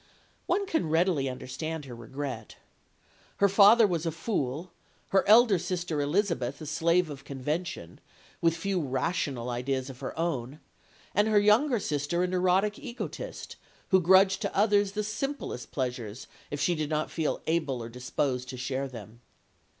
One can readily understand her regret. Her father was a fool, her elder sister Elizabeth a slave of convention, with few rational ideas of her own, and her younger sister a neurotic egotist, who grudged to others the simplest pleasures if she did not feel able or disposed to share them.